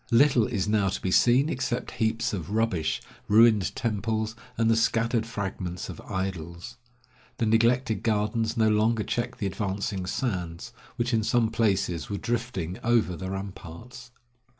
Little is now to be seen except heaps of rubbish, ruined temples, and the scattered fragments of idols. The neglected gardens no longer check the advancing sands, which in some places were drifting over the ramparts.